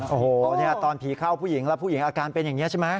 โอ้โหตอนผีเข้าผู้หญิงแล้วผู้หญิงอาการเป็นอย่างนี้ใช่ไหม